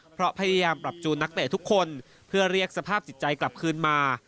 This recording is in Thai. เพราะพยายามปรับจูนนักเตะทุกคนเพื่อเรียกสภาพจิตใจกลับคืนมา